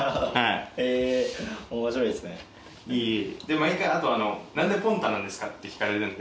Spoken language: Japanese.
毎回何でポンタなんですかって聞かれるんで。